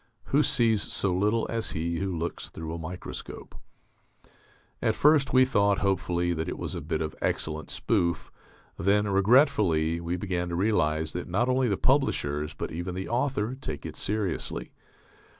(Who sees so little as he who looks through a microscope?) At first we thought, hopefully, that it was a bit of excellent spoof; then, regretfully, we began to realize that not only the publishers but even the author take it seriously.